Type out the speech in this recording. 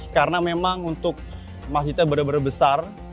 karena memang untuk masjidnya benar benar besar